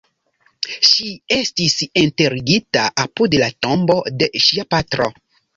Ŝi estis enterigita apud la tombo de sia patro.